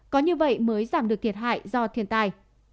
có như vậy mới giảm được thiệt hại do thiên tai